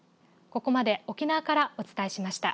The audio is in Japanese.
ここまで沖縄からお伝えしました。